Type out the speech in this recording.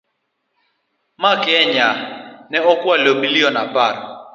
Ma Kenya ne okwalo billion apar.